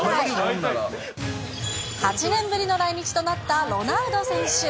８年ぶりの来日となったロナウド選手。